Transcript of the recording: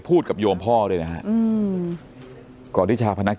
ลูกชายวัย๑๘ขวบบวชหน้าไฟให้กับพุ่งชนจนเสียชีวิตแล้วนะครับ